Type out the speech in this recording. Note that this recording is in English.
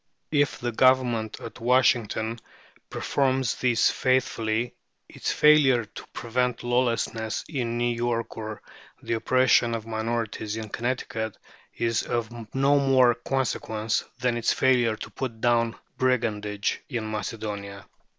If the Government at Washington performs these faithfully, its failure to prevent lawlessness in New York or the oppression of minorities in Connecticut is of no more consequence than its failure to put down brigandage in Macedonia.